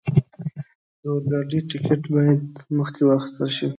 د اورګاډي ټکټ باید مخکې واخستل شي.